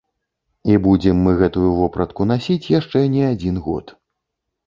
І будзем мы гэтую вопратку насіць яшчэ не адзін год.